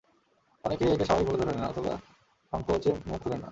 অনেকেই একে স্বাভাবিক বলে ধরে নেন, অথবা সংকোচে মুখ খোলেন না।